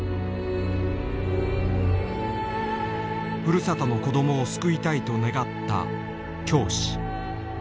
ふるさとの子供を救いたいと願った教師。